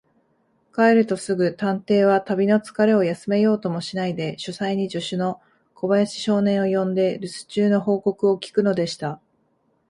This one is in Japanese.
帰るとすぐ、探偵は旅のつかれを休めようともしないで、書斎に助手の小林少年を呼んで、るす中の報告を聞くのでした。